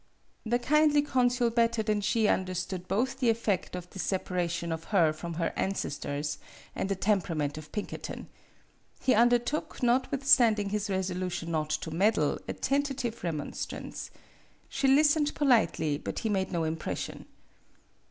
The kindly consul better than she under stood both the effect of this separation of her from her ''ancestors," and the tempera ment of Pinkerton. He undertook, not withstanding his resolution not to meddle, a tentative remonstrance. She listened po litely, but he made no impression.